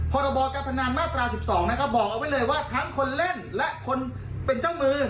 พอเราบอกการพนานมาตราสิบสองนะคะบอกเอาไว้เลยว่าทั้งคนเล่นและคนเป็นจังมือ